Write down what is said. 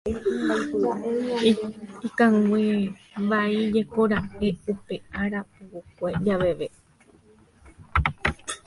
Ikanguevaíjekoraka'e upe ára pukukue javeve.